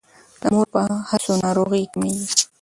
د مور په هڅو ناروغۍ کمیږي.